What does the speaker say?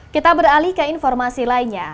kita beralih ke informasi lainnya